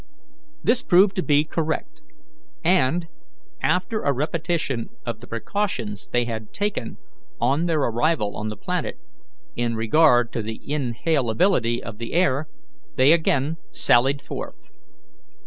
This proved to be correct; and, after a repetition of the precautions they had taken on their arrival on the planet in regard to the inhalability of the air, they again sallied forth.